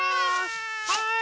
はい！